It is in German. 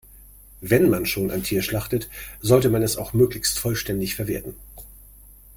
Wenn man schon ein Tier schlachtet, sollte man es auch möglichst vollständig verwerten.